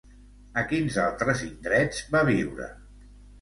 A quins altres indrets va viure?